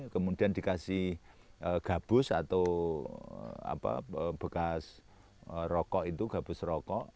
kemudian dikasih gabus atau bekas rokok itu gabus rokok